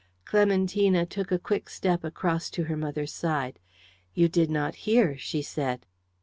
Clementina took a quick step across to her mother's side. "You did not hear," she said.